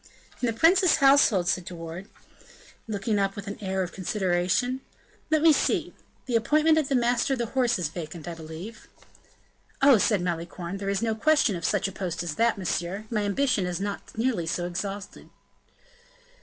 "In the prince's household," said De Wardes looking up with an air of consideration, "let me see the appointment of the master of the horse is vacant, I believe." "Oh," said Malicorne, "there is no question of such a post as that, monsieur; my ambition is not nearly so exalted."